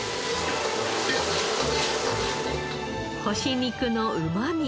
干し肉のうまみ